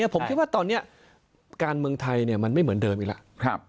ผมคิดว่าตอนนี้การเมืองไทยมันไม่เหมือนเดิมอีกแล้ว